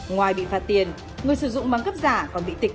ngoài bị phạt tiền người sử dụng băng cấp giả còn bị tịch